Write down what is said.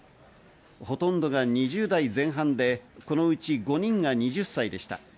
ほとんどが２０代前半でこのうち５人が２０歳でした。